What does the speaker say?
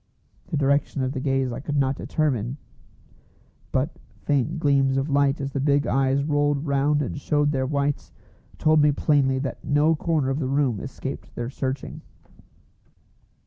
The direction of the gaze I could not determine; but faint gleams of light as the big eyes rolled round and showed their whites, told me plainly that no corner of the room escaped their searching.